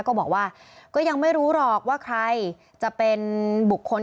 ก็ยังบอกว่าก็ยังไม่รู้หรอกว่าใครจะเป็นบุคคล